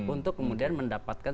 untuk kemudian mendapatkan